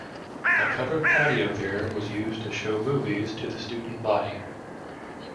A covered patio there was used to show movies to the student body.